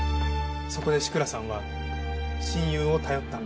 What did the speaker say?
そこで志倉さんは親友を頼ったんです。